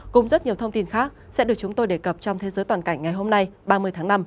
cùng rất nhiều thông tin khác sẽ được chúng tôi đề cập trong thế giới toàn cảnh ngày hôm nay ba mươi tháng năm